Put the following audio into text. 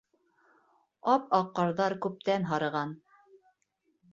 Ап-аҡ ҡарҙар күптән һарыған.